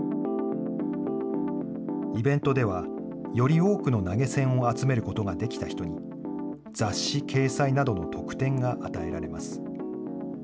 イベントではより多くの投げ銭を集めることができた人に、雑誌掲載などの得点が与えられます。